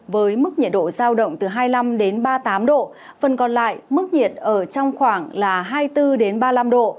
với mức nhiệt độ giao động từ hai mươi năm ba mươi tám độ phần còn lại mức nhiệt ở trong khoảng là hai mươi bốn ba mươi năm độ